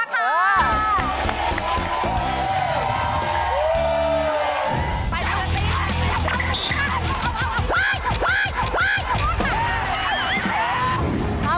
ต่อช่วงหน้าเดี๋ยวฝากมาค่ะ